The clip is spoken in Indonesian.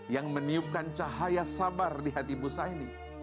yang meniupkan cahaya sabar di hati ibu saya ini